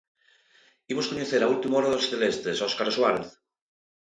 Imos coñecer a última hora dos celestes, Óscar Suárez.